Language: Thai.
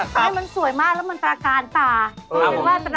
แต่สำหรับผมนะครับ